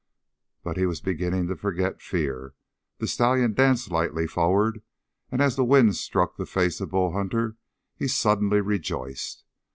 But he was beginning to forget fear. The stallion danced lightly forward, and as the wind struck the face of Bull Hunter he suddenly rejoiced.